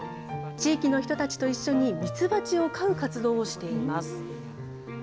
地域の人たちと一緒にミツバチを飼う活動をしています。